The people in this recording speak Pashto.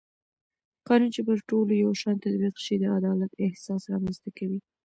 قانون چې پر ټولو یو شان تطبیق شي د عدالت احساس رامنځته کوي